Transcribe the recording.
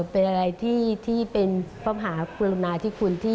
เป็นอะไรที่เป็นภาพหารุณาที่คุณ